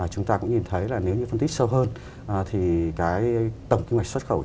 chúng ta cũng nhìn thấy là nếu như phân tích sâu hơn thì cái tổng kinh mạch xuất khẩu